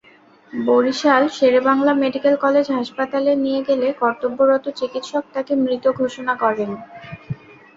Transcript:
Barishal Sher-e-Bangla medical college হাসপাতালে নিয়ে গেলে কর্তব্যরত চিকিৎসক তাকে মৃত ঘোষণা করেন।